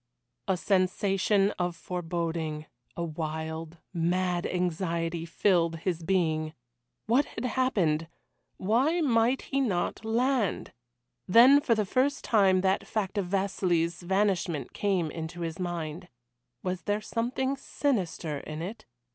A sensation of foreboding a wild, mad anxiety, filled his being. What had happened? Why might he not land? Then for the first time that fact of Vasili's vanishment came into his mind. Was there something sinister in it?